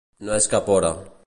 No és cap hora.